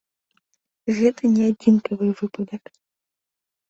Гэта не адзінкавы выпадак.